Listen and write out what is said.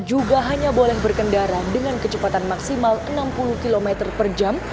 juga hanya boleh berkendara dengan kecepatan maksimal enam puluh km per jam